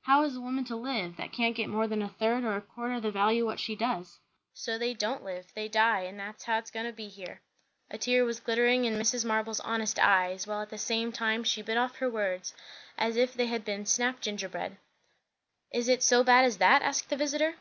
How is a woman to live, that can't get more than a third or a quarter the value o' what she does? So they don't live; they die; and that's how it's goin' to be here." A tear was glittering in Mrs. Marble's honest eyes, while at the same time she bit off her words as if they had been snap gingerbread. "Is it so bad as that?" asked the visiter.